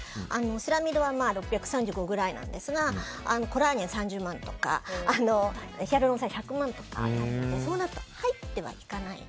セラミドは６３５ぐらいなんですがコラーゲンは３０万とかヒアルロン酸は１００万とかでそうなると、入ってはいかない。